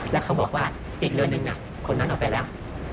แล้วเขาบอกว่าอีกเรือนหนึ่งคนนั้นเอาไปแล้ว